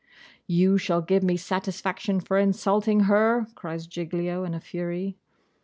'You shall give me satisfaction for insulting her!' cries Giglio in a fury.